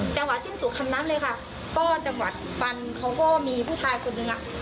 จังหวะสิ้นสุดคำนั้นเลยค่ะก็จังหวะฟันเขาก็มีผู้ชายคนนึงอ่ะ